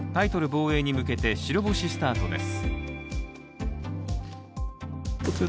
防衛に向けて白星スタートです。